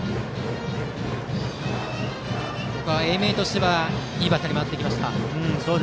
英明としてはいいバッターに回ってきました。